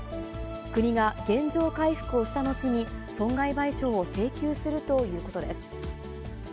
国が原状回復をした後に、損害賠償を請求するということです。